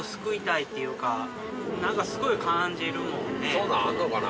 そんなんあんのかな？